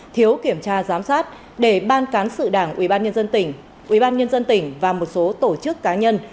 thiếu kiểm tra giam sát để ban cán sự đảng ubnd tỉnh và một số tổ chức cá nhân